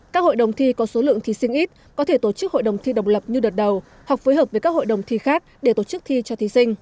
các hội đồng thi có số lượng thí sinh ít có thể tổ chức hội đồng thi độc lập như đợt đầu hoặc phối hợp với các hội đồng thi khác để tổ chức thi cho thí sinh